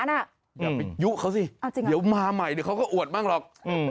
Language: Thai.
อย่าไปยุเขาสิเดี๋ยวมาใหม่เดี๋ยวเขาก็อวดบ้างหรอก